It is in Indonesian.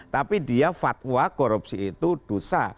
tapi dia fatwa korupsi itu dosa